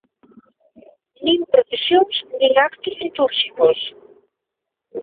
Nin procesións nin actos litúrxicos.